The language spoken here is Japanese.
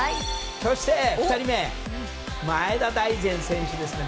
そして、２人目前田大然選手ですね。